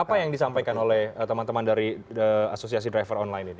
apa yang disampaikan oleh teman teman dari asosiasi driver online ini